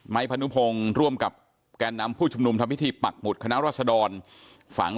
พนุพงศ์ร่วมกับแก่นำผู้ชุมนุมทำพิธีปักหมุดคณะรัศดรฝัง